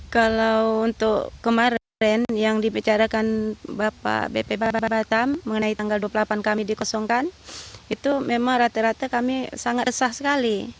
kalau untuk kemarin yang dibicarakan bapak bp batam mengenai tanggal dua puluh delapan kami dikosongkan itu memang rata rata kami sangat resah sekali